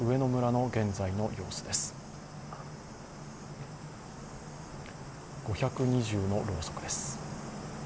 ５２０のろうそくです。